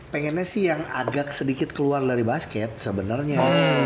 pengennya sih yang agak sedikit keluar dari basket sebenarnya